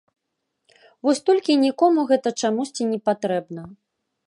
Вось толькі нікому гэта чамусьці не патрэбна.